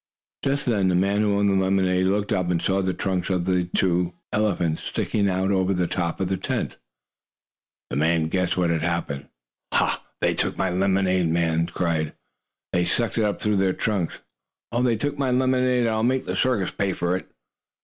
Just then the man who owned the lemonade looked up, and saw the trunks of the two elephants sticking out over the top of the tent. The man guessed what had happened. "Ha! They took my lemonade!" the man cried. "They sucked it up through their trunks. Oh, they took my lemonade, and I'll make the circus pay for it!"